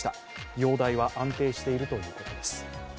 容態は安定しているということです。